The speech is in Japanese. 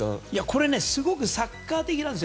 これはすごくサッカー的なんです。